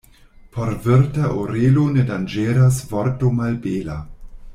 Por virta orelo ne danĝeras vorto malbela.